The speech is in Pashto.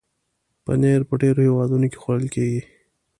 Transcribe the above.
پنېر په ډېرو هېوادونو کې خوړل کېږي.